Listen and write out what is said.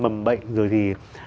mầm bệnh rồi thì